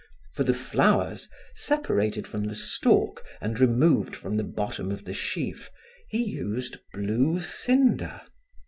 For the flowers, separated from the stalk and removed from the bottom of the sheaf, he used blue cinder.